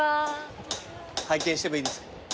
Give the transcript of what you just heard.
拝見してもいいですか？